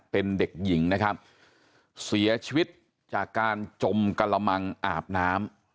เป็นเด็กหญิงนะครับเสียชีวิตจากการจมกระมังอาบน้ำ